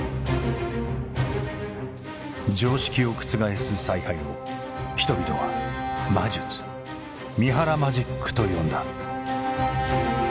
常識を覆す采配を人々は「魔術」「三原マジック」と呼んだ。